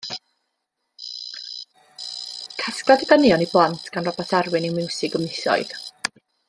Casgliad o ganeuon i blant gan Robat Arwyn yw Miwsig y Misoedd.